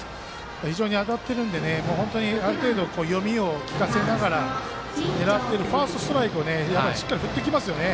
非常に当たってるのである程度、読みをきかせながら狙っているファーストストライクをしっかり振ってきますよね。